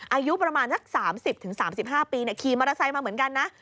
อายุประมาณสัก๓๐๓๕ปีขี่มอเตอร์ไซค์มาเหมือนกันนะ